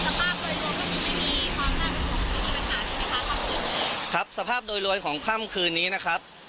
ไม่มีความน่าเป็นห่วงไม่มีปัญหาใช่ไหมคะครับสภาพโดยรวมของค่ำคืนนี้นะครับ